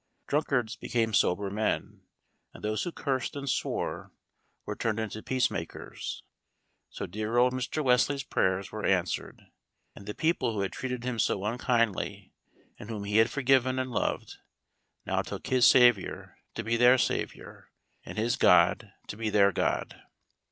Drunkards became sober men, and those who cursed and swore were turned into peace makers. So dear old Mr. Wesley's prayers were answered, and the people who had treated him so unkindly, and whom he had forgiven and loved, now took his Saviour to be their Saviour, and his God to be their God.